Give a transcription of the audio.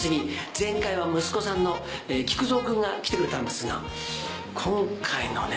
前回は息子さんの木久蔵君が来てくれたんですが今回のね